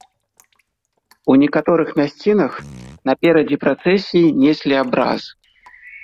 У некаторых мясцінах наперадзе працэсіі неслі абраз.